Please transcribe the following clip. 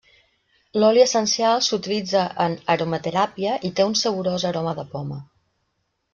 L'oli essencial s'utilitza en aromateràpia i té un saborós aroma de poma.